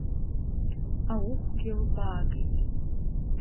Ауӷәгьы лбаагеит.